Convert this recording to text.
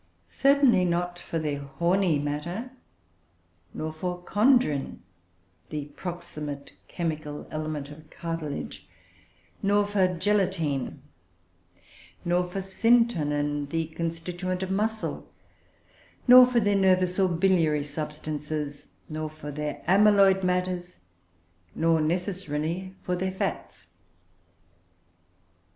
Certainly not for their horny matter; nor for chondrin, the proximate chemical element of cartilage; nor for gelatine; nor for syntonin, the constituent of muscle; nor for their nervous or biliary substances; nor for their amyloid matters; nor, necessarily, for their fats.